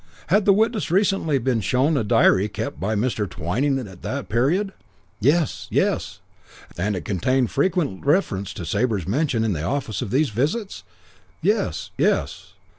Had the witness recently been shown a diary kept by Mr. Twyning at that period? 'Yes! Yes!' "And it contained frequent reference to Sabre's mention in the office of these visits? 'Yes! Yes!'